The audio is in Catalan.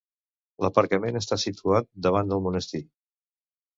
L'aparcament està situat davant del monestir.